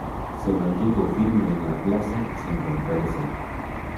Se mantuvo firme en la plaza sin romperse.